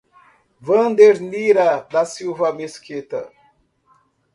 Wandernira da Silva Mesquita